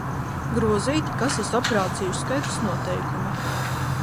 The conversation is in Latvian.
Grozīti kases operāciju uzskaites noteikumi